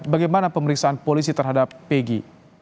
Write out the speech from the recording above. bagaimana pemeriksaan polisi terhadap pegi